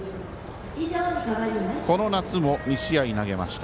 この夏も２試合、投げました。